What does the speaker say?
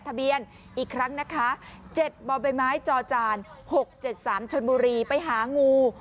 ทะเบียนอีกครั้งนะคะ๗บ่อใบไม้จอจาน๖๗๓ชนบุรีไปหางู